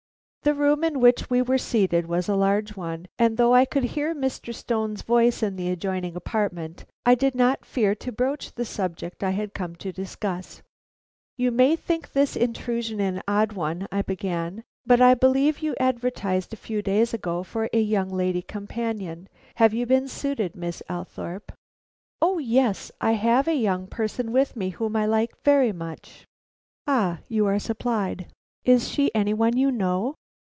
The room in which we were seated was a large one, and though I could hear Mr. Stone's voice in the adjoining apartment, I did not fear to broach the subject I had come to discuss. "You may think this intrusion an odd one," I began, "but I believe you advertised a few days ago for a young lady companion. Have you been suited, Miss Althorpe?" "O yes; I have a young person with me whom I like very much." "Ah, you are supplied! Is she any one you know?"